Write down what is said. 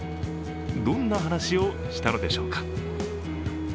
どんな話をしたのでしょうか。